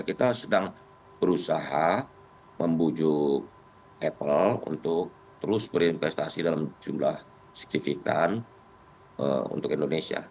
kita sedang berusaha membujuk apple untuk terus berinvestasi dalam jumlah signifikan untuk indonesia